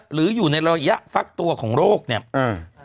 หรืออยู่ในระยะฟักตัวของโรคเนี่ยอืม